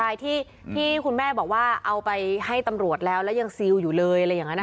ใช่ที่คุณแม่บอกว่าเอาไปให้ตำรวจแล้วแล้วยังซิลอยู่เลยอะไรอย่างนั้น